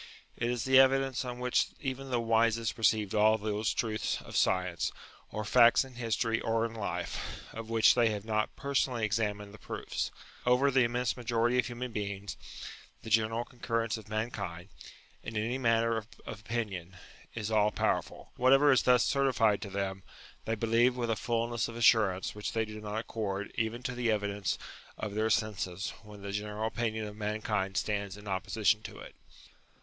It is the evidence on which even the wisest receive all those truths of science, or facts in history or in life, of which they have not personally examined the proofs. Over the immense majority of human beings, the general concurrence of mankind, in any matter of opinion, is all powerful. Whatever is thus certified to UTILITY OF RELIGION 79 them, they believe with a fulness of assurance which they do not accord even to the evidence of their senses when the general opinion of mankind stands in opposition to it.